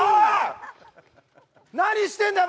何してんだ！